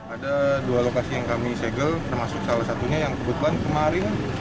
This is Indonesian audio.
ada dua lokasi yang kami segel termasuk salah satunya yang kebetulan kemarin